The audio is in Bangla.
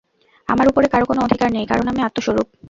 আমার উপরে কারও কোন অধিকার নেই, কারণ আমি আত্মস্বরূপ।